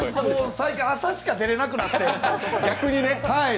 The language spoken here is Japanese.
最近朝しか出られなくなって。